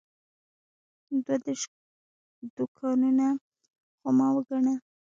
دوه دېرش دوکانونه خو ما وګڼل.